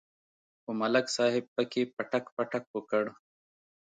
خو ملک صاحب پکې پټک پټک وکړ.